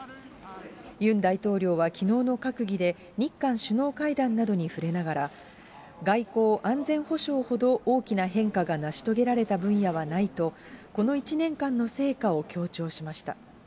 ユン大統領はきのうの閣議で、日韓首脳会談などに触れながら、外交・安全保障ほど大きな変化が成し遂げられた分野はないと、この１年間の成果を強調しました。